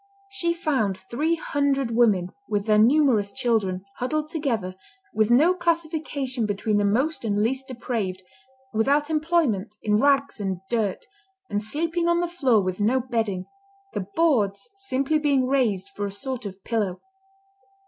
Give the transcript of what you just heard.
She found three hundred women, with their numerous children, huddled together, with no classification between the most and least depraved, without employment, in rags and dirt, and sleeping on the floor with no bedding, the boards simply being raised for a sort of pillow.